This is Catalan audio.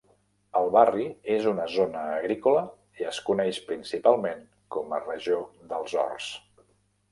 El barri és una zona agrícola i es coneix principalment com a regió dels horts.